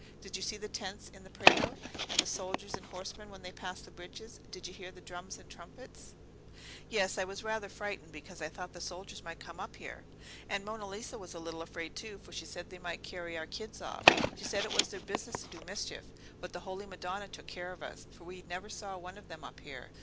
Did you see the tents in the Prato, and the soldiers and horsemen when they passed the bridges—did you hear the drums and trumpets?" "Yes, and I was rather frightened, because I thought the soldiers might come up here. And Monna Lisa was a little afraid too, for she said they might carry our kids off; she said it was their business to do mischief. But the Holy Madonna took care of us, for we never saw one of them up here.